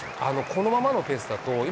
このままのペースだと、今、